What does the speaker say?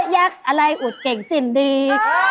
ักษ์อะไรอุดเก่งจิ้นดี